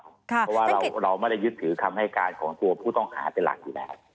เพราะว่าเราไม่ได้ยึดถือคำให้การของตัวผู้ต้องหาเป็นหลักอยู่แล้ว